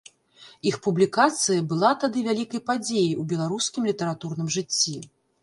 Іх публікацыя была тады вялікай падзеяй у беларускім літаратурным жыцці.